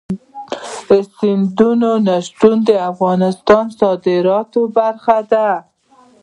سمندر نه شتون د افغانستان د صادراتو برخه ده.